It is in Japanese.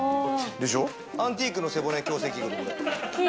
アンティークの背骨矯正器具。